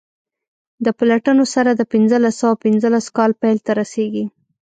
د پلټنو سر د پنځلس سوه پنځلس کال پیل ته رسیږي.